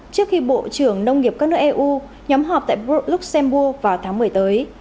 trước khi bộ trưởng nông nghiệp các nước eu nhóm họp tại bru luxembourg vào tháng một mươi tới